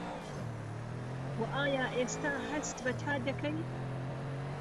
وه ئایا ئێستا هەست بە تا دەکەی؟